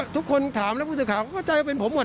ทุกคนถามแล้วผู้สื่อข่าวก็เข้าใจว่าเป็นผมหมด